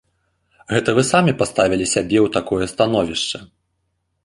Гэта вы самі паставілі сябе ў такое становішча!